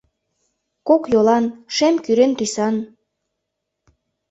Кок йолан, шем-кӱрен тӱсан...